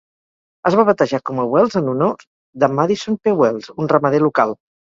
Es va batejar com a Wells en honor de Madison P. Wells, un ramader local.